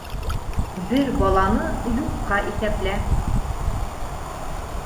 Бер баланы юҡҡа иҫәплә.